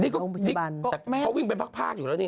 แต่แม่เขาวิ่งไปพักพาดอยู่แล้วนี่